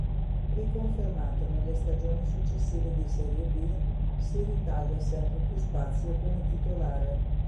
Riconfermato nelle stagioni successive di Serie B, si ritaglia sempre più spazio come titolare.